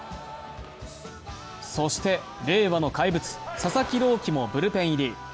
そして令和の怪物・佐々木朗希もブルペン入り。